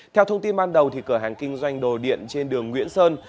theo thông tin ban đầu cửa hàng kinh doanh đồ điện trên đường nguyễn sơn